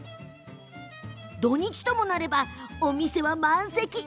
土日ともなれば、お店は満席。